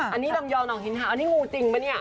อันนี้ลำยองหนองหินหาอันนี้งูจริงปะเนี่ย